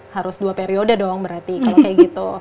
harus dua periode doang berarti kalau kayak gitu